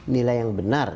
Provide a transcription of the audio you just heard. nilai yang benar